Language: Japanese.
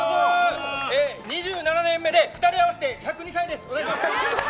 ２７年目で２人合わせて１０２歳です。